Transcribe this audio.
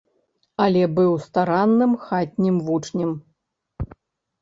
Але быў старанным хатнім вучнем.